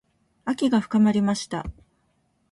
秋が深まりました。